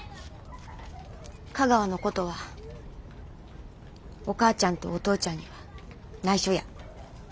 香川のことはお母ちゃんとお父ちゃんにはないしょや。